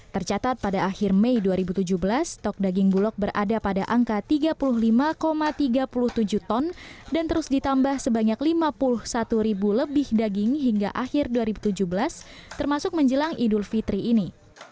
tercatat pada akhir mei dua ribu tujuh belas stok daging bulog berada pada angka tiga puluh lima tiga puluh tujuh ton dan terus ditambah sebanyak lima puluh satu ribu lebih daging hingga akhir dua ribu tujuh belas termasuk menjelang idul fitri ini